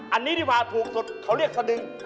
อันนี้ดีกว่าถูกสุดเขาเรียกสะดึง